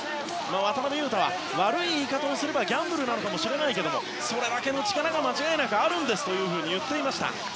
渡邊雄太は悪い言い方をすればギャンブルなのかもしれないけれどもそれだけの力が間違いなくあるんですと言っていました。